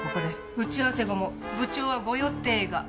打ち合わせ後も部長はご予定が。